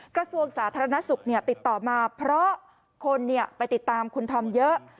กระทรวงสาธารณสุขติดต่อมาเพราะคนไปติดตามคุณธอมเยอะ